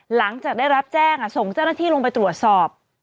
หลังจากได้รับแจ้งส่งเจ้าหน้าที่ลงไปตรวจสอบ